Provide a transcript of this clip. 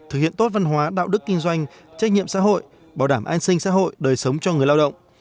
thực hiện tốt văn hóa đạo đức kinh doanh trách nhiệm xã hội bảo đảm an sinh xã hội đời sống cho người lao động